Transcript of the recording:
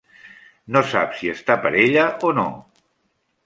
No sap si està per ella o no.